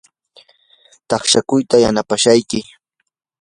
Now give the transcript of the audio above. taqshakuyta yanapashayki.